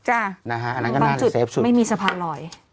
อันนั้นก็น่าจะเซฟสุดตรงจุดไม่มีสะพานลอย